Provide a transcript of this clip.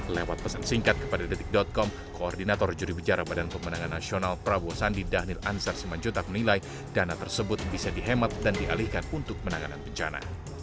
lewat pesan singkat kepada detik com koordinator juri bicara badan pemenangan nasional prabowo sandi dhanil ansar simanjuntak menilai dana tersebut bisa dihemat dan dialihkan untuk penanganan bencana